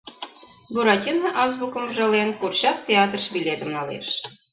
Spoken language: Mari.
Буратино, азбукым ужален, курчак театрыш билетым налеш.